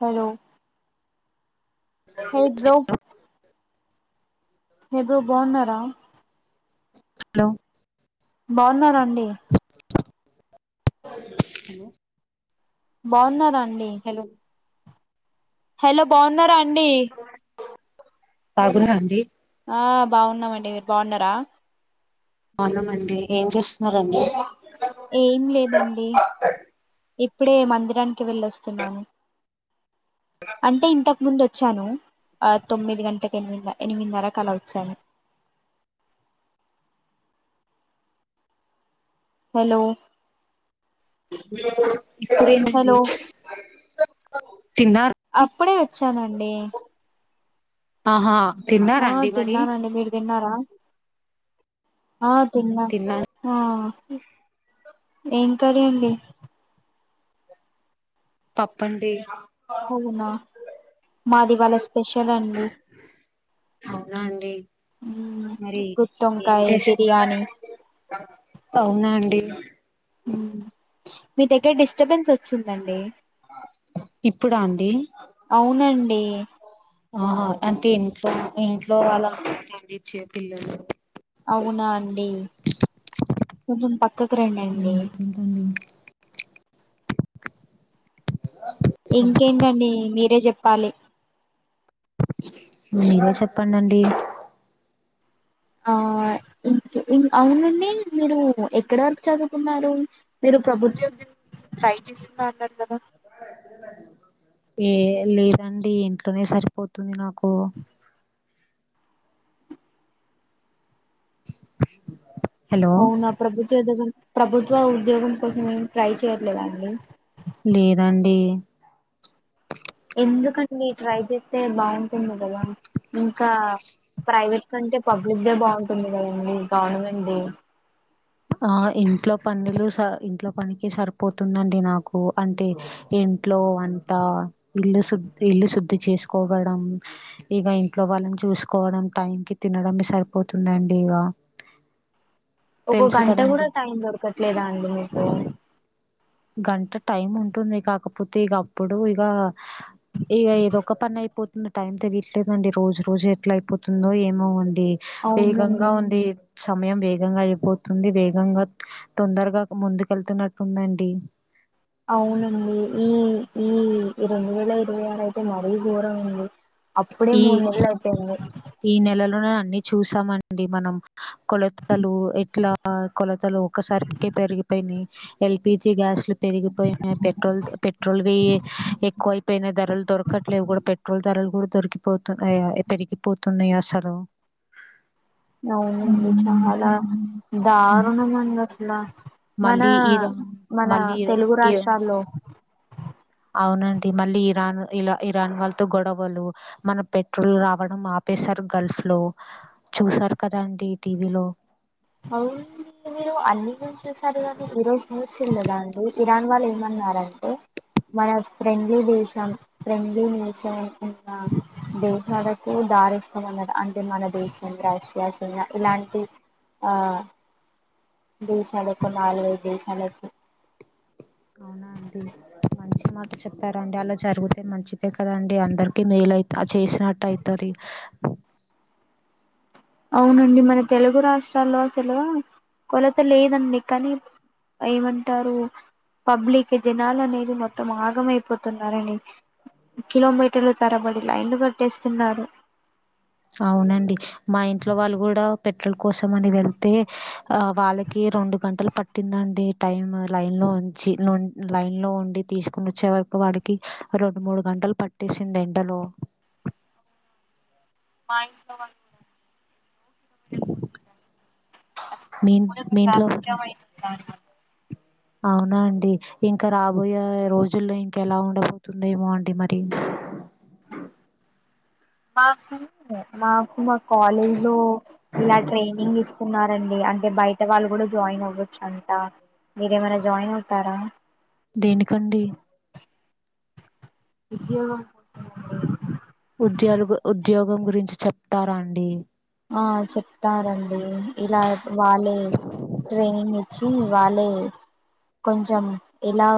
Hello hey bro hey bro బాన్నారా hello బాగున్నార అండి హలోలో బాగున్నారా అం హలో హలో బాగున్నారా అ ఆ బాగున్నాండి ఆ బాగున్నమండి మీరు బాగున్నరా బాగున్నమండి ఏం చేస్తున్నరండి ఏం లేదండి ఇప్పుడే మందిరానికి వెళ్ళొస్తున్నాను అంటే ఇంతకు ముందు వచ్చాను ఆ తొమ్మిది గంటలకి ఎనిమి ఎనిమిదిన్నరకు అలా వచ్చాను హలో మీ ఇప్పుడెంటండి హలో అప్పుడే వచ్చానండి ఆహా తిన్నారా ఆ అండి మరి తిన్నానండి మీరు తిన్నారా ఆ తిన్నా తిన్నాను ఆ ఏం కర్రీ అండి పప్పండి అవునా మాది ఇవాళ స్పెషల్ అండి అవునా అండి మరి ఏం గుత్తొంకాయ చేసు బిర్యానీ అవునా అండి ఊ మీ దగ్గర డిస్టర్బెన్స్ వచ్చిందండి ఇప్పుడా అండి అండి ఆహా అంటే ఇంట్లో ఇంట్లో వాళ్ళ [unintelligible] పిల్లలు అవునా అండి కొంచం పక్క క్కకు మరి రండండి ఇంకేంటండి ఇంకేంటండి మీరే చెప్ ప్పాలి మీరే చెప్పండండి ఆ ఇం అవునండి మీరు ఎక్కడ వరకు చదువుకున్నారు మీరు ప్రభుత్వ ఉద్యోగానికి ట్రై చేస్తున్నా అన్నరు కదా ఏ లేదండి ఇంట్లోనే సరిపోతుంది నాకు [inaudible] [inaudible] హలో అవునా ప్రభుత్ ప్రభుత్వ ఉద్యోగం కోసం ఏం ట్రై చేయట్లేదా అండి లేదండి ఎందుకండి ట్రై చేస్తే బాగుంటుంది కదా. ఇంకా ప్రైవేట్ కంటే పబ్లిక్ దే బాగుంటుంది కదండి గవర్నమెంట్ ది. ఆ ఇంట్లో పనులు స ఇంట్లో పనికి సరిపోతుందండి నాకు. అంటే ఇంట్లో వంట ఇల్లు శుద్ ఇల్లు శుద్దిి చేసుకోవడం. ఇక ఇంట్లో వాళ్ళని చూసుకోవడం టైం కి తినడం సరిపోతుందండి ఇగ. ఒక గంట కూడా టైం దొరకట్లేదా, అండి మీకు? గంట టైం ఉంటుంది కాకపోతే ఇక అప్పుడు ఇక గంట టైమ్ ఉంటుంది కాకపోతే ఇగ అప్పుడు ఇగ ఏదో ఒక పని అయిపోతుందో టైం తెయట్లేదండి రోజు రోజు ఎట్లా అయిపోతుందో ఏమో. అండి అవునండి వేగంగా ఉంది. సమయం వేగంగా అయిపోతుంది వేగంగా తొందరగా ముందుకెళ్తున్నట్టుందండి. అవునండి ఈ ఈ రెండు వేల ఇరవై ఆరు అయితే మరీ ఘోరం అండి. అప్పుడే ఈ మూడు నెళ్ళు అయిపోయింది. ఈ నెలలోనే అన్ని చూసామండి మనం. కొలతలు ఎట్లా కొలతలు ఒసారికి పెరిగిపోయినాయి ఎల్పిిజి గ్యాస్ పెరిగిపోయినాయి పెట్రోల్ పెట్రోల్వి ఎక్కువ అయిపోయినాయి ధరలు దొరకట్లేవి కూడా పెట్రోల్ ధరలు కూడా [inaudible] [unintelligible] పోతున్నాయి పోతున్నాయి అసలు అవునండి చాలా దారుణం అంది అసలు మన మళ్ళీ ఇరాన్ మన మళ్ళీ ఇరాన్ తెలుగు ఇరాన్ రాష్ట్రాల్లో. అవునండి మళ్ళీ ఇరాన్ ఇలా ఇరాన్ వాళ్ళతో గొడవలు మన పెట్రోలు రావడం ఆపేశారు గల్ఫ్ లో చూసారు కదా అండి టీవీలో? అవును మీరు అన్ని గురించి చూసారు కానీ ఈ రోజు న్యూస్ వెళ్ళదా అండి ఇరాన్ వాళ్ళ ఏమ. విన్నారంటే మన ఫ్రెండ్లీ దేశం ఫ్రెండ్లీ నేషన్ ఉన్న దేశాలకు దారిస్తామన్న అంటే మన దేశం రష్యా చైనా ఇలాంటి. ఆ దేశాలకు నాలుగై ఐదు దేశాలకు అవునా అండి మంచి మాట చెప్పార్. అండి అలా జరుగుతే మంచిదే కదండి అందరు. కి నీలై ఆ చేసినట్ట్ అయితది అవునండి మన తెలుగు రాష్ట్రాల్లో అసలు కొలత లేదండి కానీ ఏమంటారు పబ్లిక్ జనాల అనేది మొత్తం ఆగమైపోతున్నారండి కిలోమీటర్లు తరబడి లైన్లు కట్టేస్తున్నారు. అవునండి మా ఇంట్లో వాళ్ళు కూడా పెట్రోల్ కోసం అని వెళ్తే ఆ వాళ్ళకి రెండు గంటలు పట్టిందండి టైమ్ లైన్ లో ఉంచి లైన్ లో ఉండి తీసుకుని వచ్చే వరకు వాడికి రెండు మూడు గంటలు పట్టేసింది ఎండలో. మా ఇట్లో వాళ్ళ కూడ ఆన్ మీ మీ ఇంట్లో ఉమ [inaudible] అవునా అండి ఇంకా రాబోయే రోజుల్లో ఇంక ఎలా ఉండబతుందేమో అండి మరి. మకు మకు మా కాలేజ్ లో ఇలా ట్రైనింగ్ ఇస్తున్నారండి అం అంటే బయట వాళ్ళు కూడా జాయిన్ అవ్వచ్చు అంట మీరేమైనా జాయిన్ అవుతారా దేనికండి? ఉద్యోగం కోసం అండి. ఉద్యోలు ఉద్యోగం గురించి చెప్తారా అండి ఆ చెప్తారండి ఇలా వాళ్ళే ట్రైనింగ్ ఇచ్చి వాళ్ళే కొంచెం ఎలా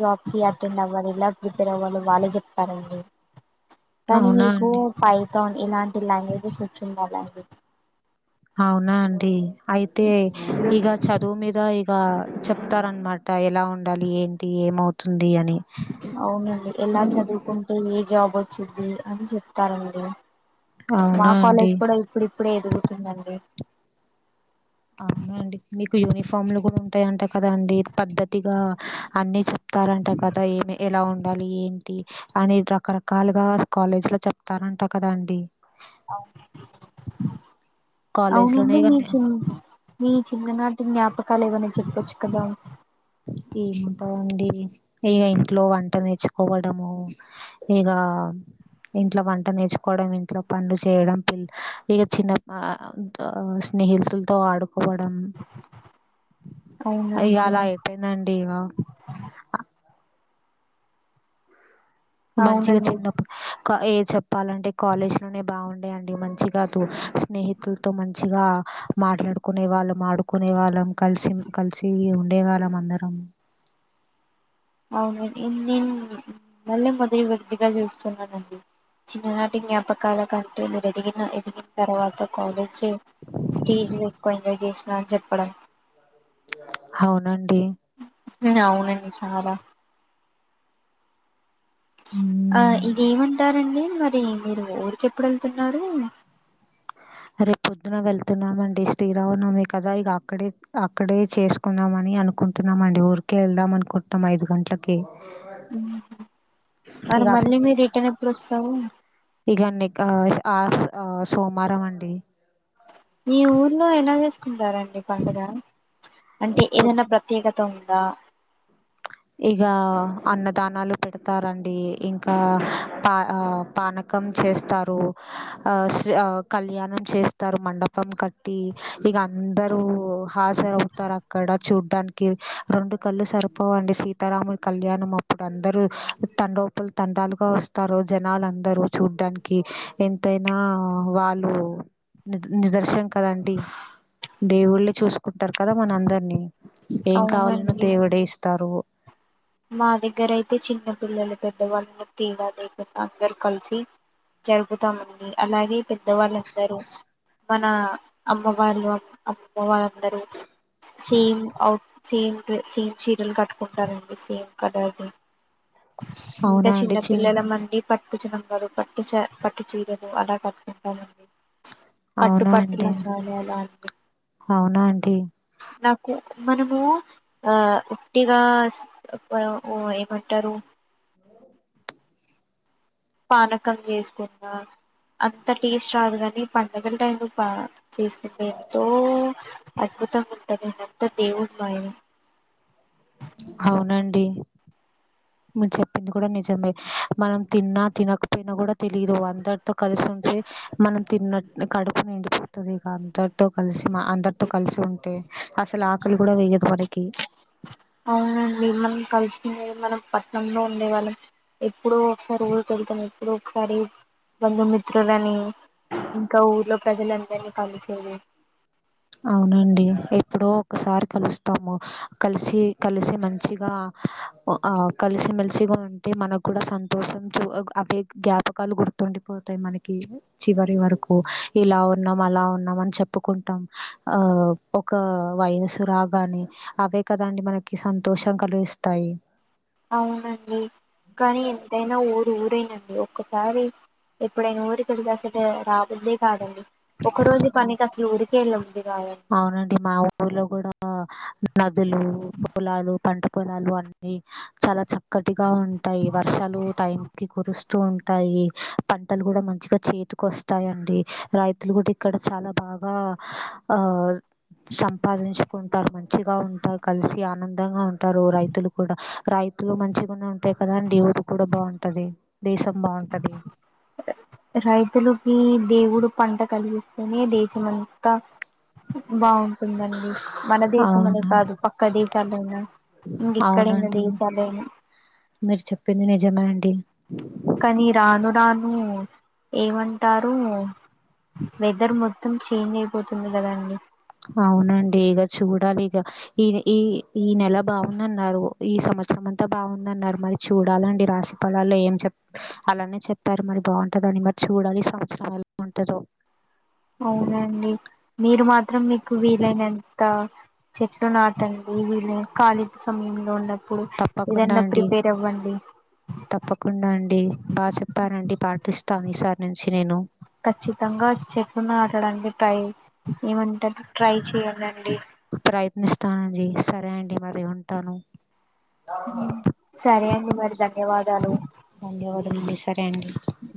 జాబ్ కి అటెండ్ అవ్వాలి ఎలా ప్రిపేర్ అవ్వలో వాళ్ళే చెప్తారండి కానీ అవునా మీకు అండి పై ఇలాంటి లాంగ్వేజెస్ వచ్చిండాల [inaudible] అవునా అండి అయితే ఇగ చదువు మీద ఇగ చెప్తారనమా ఇంకా ఎలా ఉండాలి ఏంటి ఏమవుతుం అవునండి ఎలా చదువుకుంటే ఏ జాబ్ వచ్చిది అని చెప్తారండి మా అవునా అండి కాలేజ్ కూడ ఇప్పుడిప్పుడే ఎదుగుతుందండి అవునండి మీకు యూనిఫామ్లు కూడ ఉంటయంట దకదా అండి పద్ధతిగా అన్ని చె తారంటా కదా ఎ ఎలా ఉండాలి ఏంటి అని రకరకాలుగా కాలేజీ లో చెప్తారంటా కదాండి కాలేజ్ లోనే అవునండి ఇగ మీ చి నీ చిన్ననాటి జ్ఞాపకాలు ఏవైనా చెప్పచ్చు కదా ఏముంటాందండి ఇక ఇంట్లో వంట నేర్చుకోవడము ఇగ ఇంట్లో వంట నేర్చుకోవడం ఇంట్లో పనులు చేయడం ఇగ చిన్న స్నేహితులతో ఆడుకోవడం. అవునావును వినండిగా మంచిగా అవునండి చిన్నప్ కా ఏ చెప్ చెప్పాలంటే కాలేజ్ లోనే బాగు మంచిగా స్నేహితులతో మంచిగా మాట్లాడుకునే వాళ్ళ ఆడుకునే వాళ్ళం కలిసి కలిసి ఉ దేవాలమందరము అవున నేను మళ్ళీ మొదటి కొద్దిగా చూస్తున్నానండి చిన్ననాటి జ్ఞాపకాల కంటే మీరు ఎదిగిన ఎదిగిన తర్వాత కాలేజీ స్టేజ్ ఎక్కువ ఎంజాయ్ చేసిన అని చెప్పడం అవునండి ఉ అవునండి చాల ఆ. ఉమ్. ఇదేమంటారండి. మరి మీరు ఊరికెప్పుడు వెళ్తున్నారు రే పొద్దున వెళ్తున్నామండి స్త్రీరా ఉన్నామే కదా ఇక అక్కడే అక్కడే చేసుకుందామ అని అనుకుంటున్నామండి ఊరికే వెళ్దాం అనుకుంటున్నాం ఐదు గంటలకి హ్మ్, మరి ఇక మళ్ళీ అక్కడే మీ రిటన్ ఎప్పుడు వస్తవు [unintelligible] మీ ఊర్లో ఎలా చేసు సరే అం మీ పండుగా అంటే పొద్ ఏదన్నా ప్రత్యేకత ఉమ్ ఆ ఇక అన్నదానాలు పెడతారండి ఇంకా పా అ పానకం చేస్తారు, ఆ కళ్యాణం చేస్తారు, మండపం కట్టి ఇగ అందరూ హాజరువుతారు, అక్కడ చూడ్డానికి రెండు కళ్ళు సరిపోవండి. సీతారాముని కళ్యాణం అప్పుడు అందరు తండోప తండాలుగా వస్తారు జనాలు అందరు చూడ్డానికి ఎంతైనా వాళ్ళు ని నిదర్శం కదండి దేవుళ్లే చూసుకుటరు కద మన అందరిని ఏం కావాలన్న అవునండి దేవుడే ఇస్తారూ మా దగ్గర అయితే చిన్న పిల్లలు, పెద్దవాళ్ళని తేడాలేకుండా అందరు కలిసి జరుపుతామండి అలాగే పెద్దవాళ్ళందరు మన అమ్మ వాళ్ళు అమ్మమ్మ వాళ్ళందరూ సేమ్ అవుట్ సేమ్ సేమ్ చీరలు కట్టుకుంటారండి. సేమ్ కలరు ఇంక అవునా అండి చిన్ చిన్నపిల్లల మండి పట్ పట్టు చినబలు పట్టు చ పట్టు చీరలు అలా కట్టుకుంటామండి పట్టు అవునా పట్టు అండి లంగాలు అలా అండి అవునా అండి నాకు మనము ఆ ఉట్టిగా స్ అ ఒ ఏమంటరు పానకం చేసుకున్న అంత టేస్ట్ రాదు కాని పండగల టైంలొ పా చేసుకుంటే ఎంతో అద్భుతం ఉంటదిడ త దేవున్ మయి హవునండి. చెప్పింది కూడా నిజమే మనం తిన్నా తినకపోయినా కూడా తెలిదు అందరితో కలిసి ఉంటే మనం తిన్న కడుపు నిండిపోతుంది ఇక అందరితో కలిసి అందరితో కలిసి ఉంటే అసలు ఆకలి కూడా వేయదు మనకి అవునండి మనం కలుసుకునేది మనం పట్టనంలో ఉండే వాళ్ళం ఎప్పుడ ఒకసారి ఊరిక వెళ్తాం ఎప్పుడు ఒకసారి బంధుమిత్రులని ఇంకా ఊర్లో ప్రజలందరినీ కలిచేది అవునండి ఎప్పుడో ఒకసారి కలుస్తాము కలిసి కలిసి మంచిగా ఆ కలిసిమెలిసిగా ఉంటే మనకు కూడా సంతోషం చూ అవే జ్ఞాపకాలు గుర్తుండిపోతాయి మనకి చివరి వరకు ఇలా ఉన్నాం అలా ఉన్నాం అని చెప్పుకుంటాం ఆ ఒక వయసు రాగానే అవే కదండి మనకి సంతోషం కలిగిస్తాయి అవునండి కానీ ఎంతైనా ఊరు ఊరే ండి ఒక్కసారి ఎప్పుడైనా ఊరికెకళ్తే అసలు రాబుద్దే కాదండి ఒక రోజు అవును పనికి అసలు ఊరికే వెళ్ళబుద్ది కాదండి అవునండి మా ఊర్లో కూడా నదులు పొలాలు పంట పొలాలు అన్ని చాలా చక్కటిగా ఉంటాయి వర్షాలు టైం కి కురుస్తూ ఉంటాయి పంటలు కూడా మంచిగా చేతికొస్తాయి అండి రైతులు గట ఇక్కడ చాలా బాగా ఆ సంపాదించుకుంటారు మంచిగా ఉంటారు కలిసి ఆనందంగా ఉంటారు రైతులు కూడా రైతులు మంచి ఉంటాయి కదాండి ఊరు కూడ బాఉం ఉంటది దేశం బాఉంటది రైతులుకి దేవుడు పంట కలిగిస్తెనే దేశం అంతా బాఉం ందండి మన దేశం అనే అవును కాదు పక్క దేశ్ శాలెనా అవునండి మీరు చెప్పింది నిజమే అండి ఇ కానీ రాను రాను ఏమంటారు వెదర్ మొత్తం చేంజ్ అయిపోతుంది కదండి అవునండి ఇగ చూడాలి ఈ ఈ ఈ నెల బాఉందన్నారు ఈ సంవత్సరం అంతా బాఉందన్నారు మరి చూడాలండి రాశి పలాల్లో ఏం చె అలానే చెప్పారు మరి బాఉంటదని మరి చూడాలి ఈ సంవత్సరం ఎలా ఉంటదో అవునండి మీరు మాత్రం మీకు వీలైనంత చెట్లు నాటండి వీలై కాలీ సమయంలో ఉన్న తప్పకుండా అండి తప్పకుండా అండి బా చెప్పారండి పాటిస్ త ఈసారి నుంచి నేను ఖచ్చితంగా చెట్లు నాటడానికి ట్రై ఏమన్ ట్రై చేయండండి ప్రయత్నిస్తానండి. సరే అండి మరి ఉంటాను సరే అండి మరి ధన్యవాదాలు [inaudible] అండి హ